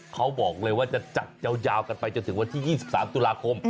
เขาบอกเลยว่าจะจัดยาวกันไปจนถึงวันที่๒๓ตุลาคม